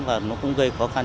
và nó cũng gây khó khăn